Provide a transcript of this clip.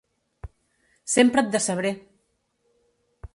Sempre et decebré!